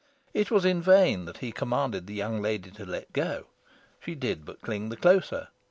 It was in vain that he commanded the young lady to let go: she did but cling the closer.